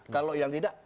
kalau yang tidak